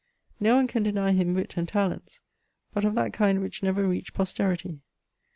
No one can deny him wit and talents, but of that kind which never reach posterity.